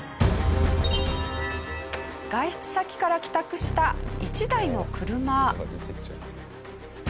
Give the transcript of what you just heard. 外出先から帰宅した１台の車。